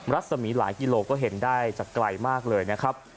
รัศมีหลายกิโลก็เห็นได้จากไกลมากเลยนะครับ